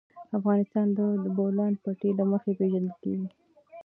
افغانستان د د بولان پټي له مخې پېژندل کېږي.